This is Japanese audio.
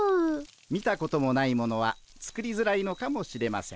見たこともないものは作りづらいのかもしれません。